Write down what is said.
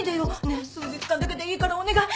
ねっ数日間だけでいいからお願い。